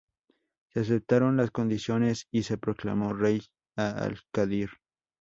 Se aceptaron las condiciones y se proclamó rey a al-Qádir.